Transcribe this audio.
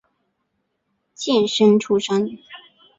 监生出身。